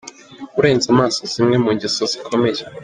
Urenza amaso zimwe mu ngeso zikomeye.